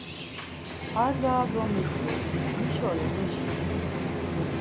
Ar daha domitzvi miş ore mişi!